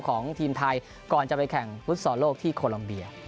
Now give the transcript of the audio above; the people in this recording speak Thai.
ของทีมไทยก่อนจะไปแข่งฟุตซอลโลกที่โคลอมเบีย